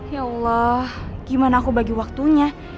ya allah gimana aku bagi waktunya